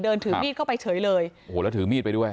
ถือมีดเข้าไปเฉยเลยโอ้โหแล้วถือมีดไปด้วย